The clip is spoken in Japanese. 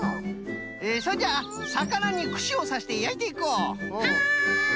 それじゃあさかなにくしをさしてやいていこう！